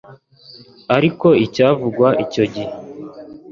ariko icyavugwaga icyo gihe